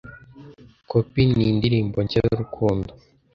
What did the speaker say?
Copy ni indirimbo nshya y’urukundo